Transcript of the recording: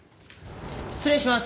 失礼します。